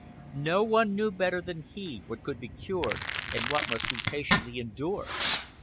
No one knew better than he what could be cured, and what must be patiently endured.